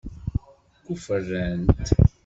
Kuferrant?